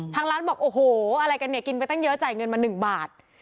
ทางร้านบอกโอ้โหอะไรกันเนี่ยกินไปตั้งเยอะจ่ายเงินมา๑บาท